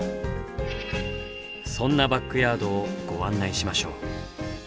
そんなバックヤードをご案内しましょう。